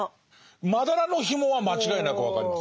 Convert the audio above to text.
「まだらの紐」は間違いなく分かります。